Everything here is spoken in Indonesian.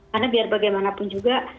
karena biar bagaimanapun juga